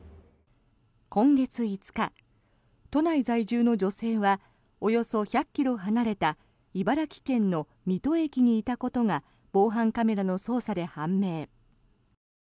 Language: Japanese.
今月５日、都内在住の女性はおよそ１００ｋｍ離れた茨城県の水戸駅にいたことが防犯カメラの捜査で判明。